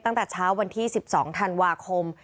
ตั้งแต่เช้าวันที่๑๒ธันวาคม